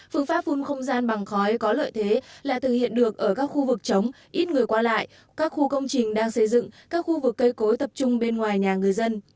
phương pháp vun không gian bằng khói có lợi thế là thực hiện được ở các khu vực trống ít người qua lại các khu công trình đang xây dựng các khu vực cây cối tập trung bên ngoài nhà người dân